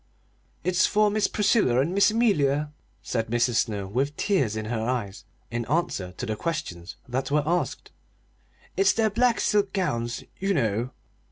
"It's for Miss Priscilla and Miss Amelia,'" said Mrs. Snow, with tears in her eyes, in answer to the questions that were asked. "It's their black silk gowns, you know."